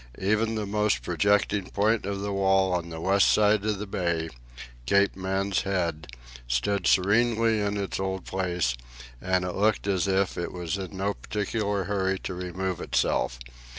Even the most projecting point of the wall on the west side of the bay, Cape Man's Head, stood serenely in its old place, and it looked as if it was in no particular hurry to remove itself.